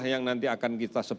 pada menamatkan bisnis ini